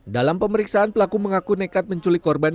dalam pemeriksaan pelaku mengaku nekat menculik korban